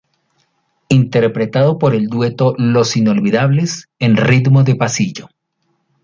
Interpretado por el dueto Los Inolvidables en ritmo de pasillo.